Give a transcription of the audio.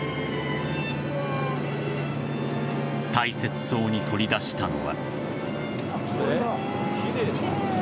大切そうに取り出したのは。